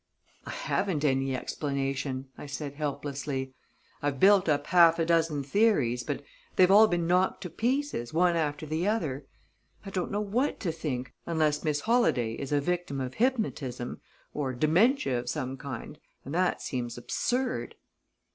"I haven't any explanation," I said helplessly. "I've built up half a dozen theories, but they've all been knocked to pieces, one after the other. I don't know what to think, unless Miss Holladay is a victim of hypnotism or dementia of some kind, and that seems absurd."